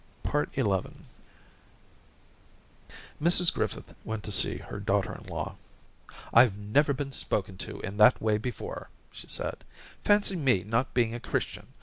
XI Mrs Griffith went to see her daughter in law. ' I Ve never been spoken to in that way before,* she said. 'Fancy me not being a Christian!